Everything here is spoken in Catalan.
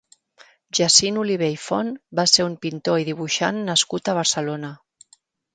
Jacint Olivé i Font va ser un pintor i dibuixant nascut a Barcelona.